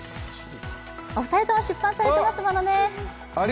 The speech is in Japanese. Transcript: お二人とも出版されていますものね。